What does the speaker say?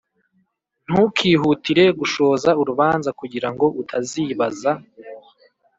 Ntukihutire gushoza urubanza kugira ngo utazibaza